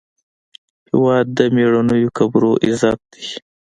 هېواد د میړنیو قبرو عزت دی.